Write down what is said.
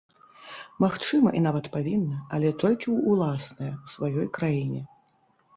Магчыма і нават павінна, але толькі ў ўласныя, у сваёй краіне.